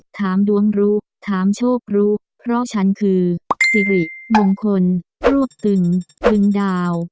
ถามดวงรู้ถามโชครู้เพราะฉันคือสิริมงคลรวบตึงตึงดาว